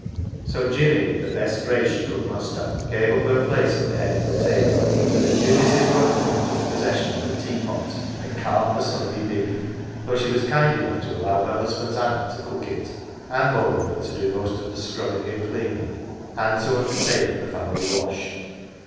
So Jinny, with the best grace she could muster, gave up her place at the head of the table ; and the new Mrs. Rutherford took possession of the teapot and carved the Sunday beef, though she was kind enough to allow her husband's aunt to cook it, and moreover to do most of the scrubbing and cleaning, and to undertake the family wash.